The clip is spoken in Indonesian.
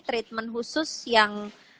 treatment khusus yang